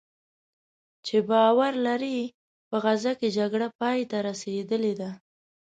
چې باور لري "په غزه کې جګړه پایته رسېدلې ده"